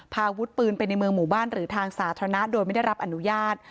อาวุธปืนไปในเมืองหมู่บ้านหรือทางสาธารณะโดยไม่ได้รับอนุญาต